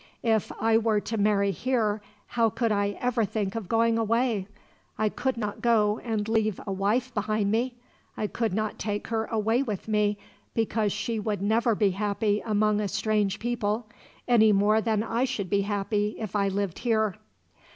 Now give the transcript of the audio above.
If I were to marry here, how could I ever think of going away? I could not go and leave a wife behind me. I could not take her away with me, because she would never be happy among a strange people, any more than I should be happy if I lived here.